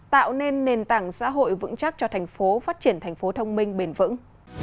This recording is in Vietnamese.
tạo nên nền tảng xã hội vững chắc cho thành phố phát triển thành phố thông minh bền vững